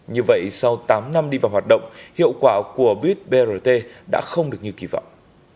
như vậy sau tám năm đi vào hoạt động hiệu quả của buýt brt đã không được như kỳ vọng